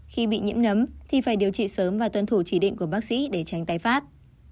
khi bị nhiễm nấm thì phải điều trị sớm và tuân thủ chỉ định của bác sĩ để tránh tái phát